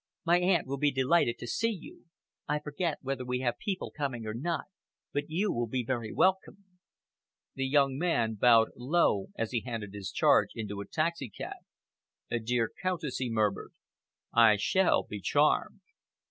My aunt will be delighted to see you. I forget whether we have people coming or not, but you will be very welcome." The young man bowed low as he handed his charge into a taxicab. "Dear Countess," he murmured, "I shall be charmed."